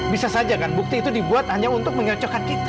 bisa saja kan bukti itu dibuat hanya untuk menyocokkan kita